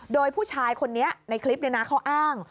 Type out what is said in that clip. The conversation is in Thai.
โดยผู้ชายคนนี้ในคลิปนี้นะเขาอ้าง